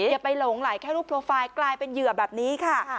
อย่าไปหลงไหลแค่รูปโปรไฟล์กลายเป็นเหยื่อแบบนี้ค่ะ